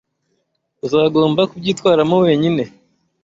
Uzagomba kubyitwaramo wenyine.